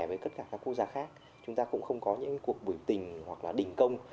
với các quốc gia khác chúng ta cũng không có những cuộc buổi tình hoặc là đỉnh công